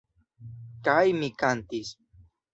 Kaj mi kantis.